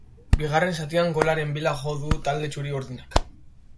Bigarren zatian golaren bila jo du talde txuri-urdinak.